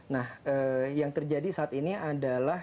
nah yang terjadi saat ini adalah